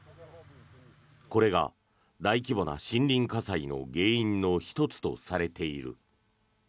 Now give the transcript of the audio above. これが大規模な森林火災の原因の１つとされている。